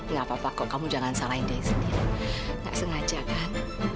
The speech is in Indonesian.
nggak apa apa kok kamu jangan salahin dia sendiri nggak sengaja kan